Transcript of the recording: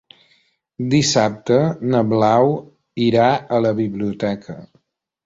Dissabte na Blau irà a la biblioteca.